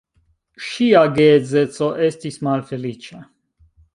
Ŝia geedzeco estis malfeliĉa.